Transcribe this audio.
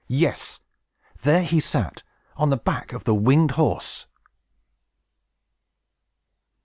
Yes, there he sat, on the back of the winged horse!